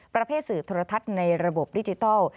สื่อโทรทัศน์ในระบบดิจิทัล